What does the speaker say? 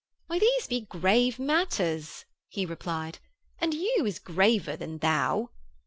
"' 'Why, these be grave matters,' he replied, 'and "you" is graver than "thou."